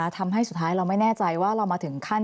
ทำให้สุดท้ายเราไม่แน่ใจว่าเรามาถึงขั้น